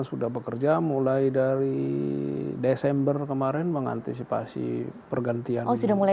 oh sudah mulai dari desainer ya pak